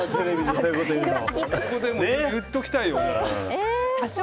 ここで言っておきたいよ。